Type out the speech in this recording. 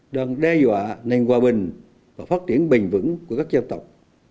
đang đe dọa nền hòa bình và phát triển bình vững của các gia tộc